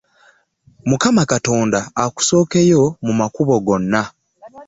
Mukama katonda akusooke yo mu makubo gwonna.